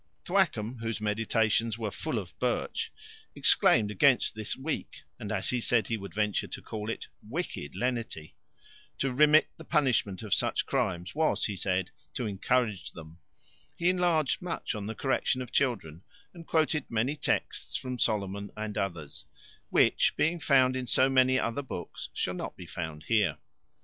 Thwackum, whose meditations were full of birch, exclaimed against this weak, and, as he said he would venture to call it, wicked lenity. To remit the punishment of such crimes was, he said, to encourage them. He enlarged much on the correction of children, and quoted many texts from Solomon, and others; which being to be found in so many other books, shall not be found here.